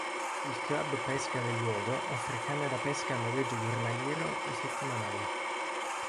Il club pesca del luogo offre canne da pesca a noleggio giornaliero o settimanale.